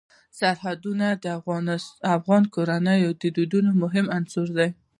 سرحدونه د افغان کورنیو د دودونو مهم عنصر دی.